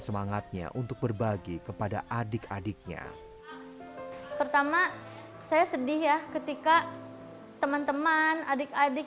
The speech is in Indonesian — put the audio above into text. semangatnya untuk berbagi kepada adik adiknya pertama saya sedih ya ketika teman teman adik adik